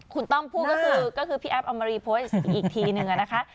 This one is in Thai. คุณต้อมพูดก็คือพี่แอฟเอามารีโพสต์อีกทีนึงนะคะ